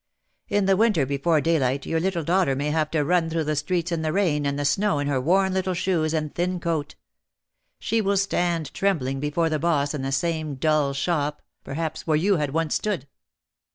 In the winter before day light your little daughter may have to run through the streets in the rain and the snow in her worn little shoes, and thin coat. She will stand trembling before the boss in the same dull shop, perhaps, where you had once stood.